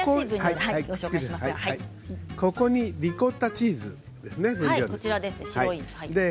ここにリコッタチーズですね。